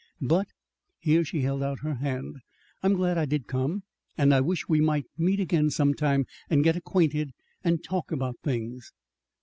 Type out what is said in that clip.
But," here she held out her hand, "I'm glad I did come, and I wish we might meet again sometime and get acquainted and talk about things."